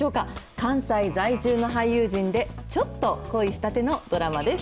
関西在住の俳優陣で、ちょっと濃い仕立てのドラマです。